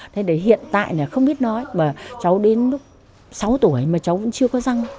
thế để hiện tại là không biết nói mà cháu đến lúc sáu tuổi mà cháu vẫn chưa có răng